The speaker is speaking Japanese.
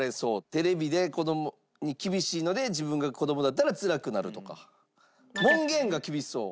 テレビで子供に厳しいので自分が子供だったらつらくなるとか。